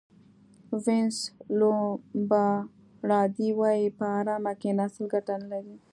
وینس لومبارډي وایي په ارامه کېناستل ګټه نه لري.